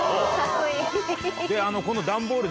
この段ボール